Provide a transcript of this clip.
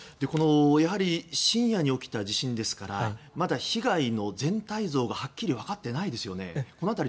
やはり深夜に起きた地震ですからまだ被害の全体像がはっきり分かっていないですよね。